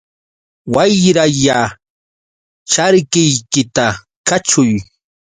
Wayralla charkiykita kaćhuy.